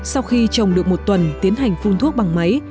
sau khi trồng được một tuần tiến hành phun thuốc bằng máy